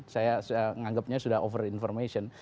saya menganggapnya sudah over information